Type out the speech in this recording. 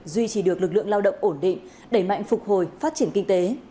duy trì được lực lượng lao động ổn định đẩy mạnh phục hồi phát triển kinh tế